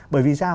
bởi vì sao